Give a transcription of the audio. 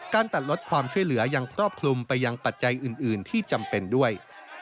การตัดลดความช่วยเหลือยังครอบคลุมไปยังปัจจัยอื่นที่จำเป็นด้วย